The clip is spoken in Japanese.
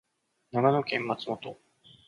長野県松本